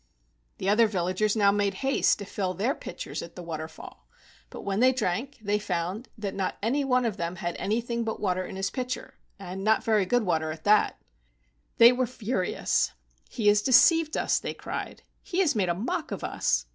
The other villagers now made haste to fill their pitchers at the waterfall, but when they drank they found that not any one of them had anything but water in his pitcher, and not very good water at that. They were furious. "He has deceived us!" they cried. "He has made a mock of us.